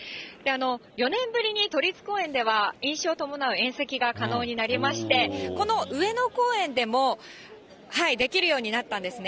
４年ぶりに都立公園では、飲酒を伴う宴席が可能になりまして、この上野公園でもできるようになったんですね。